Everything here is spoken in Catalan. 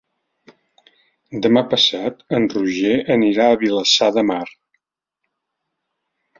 Demà passat en Roger anirà a Vilassar de Mar.